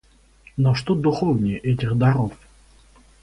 Но что духовнее этих даров?